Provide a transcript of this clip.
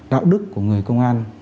đạo đức của người công an